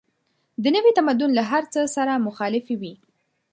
د نوي تمدن له هر څه سره مخالفې وې.